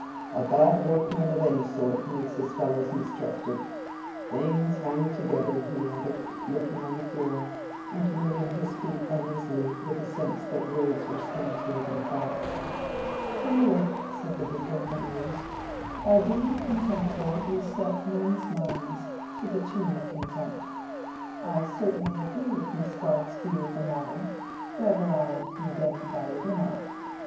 "A bad workman of any sort makes his fellows mistrusted. Things hang together," he added, looking on the floor and moving his feet uneasily with a sense that words were scantier than thoughts. "Clearly," said the Vicar, amused. "By being contemptible we set men's minds to the tune of contempt. I certainly agree with Miss Garth's view of the matter, whether I am condemned by it or not.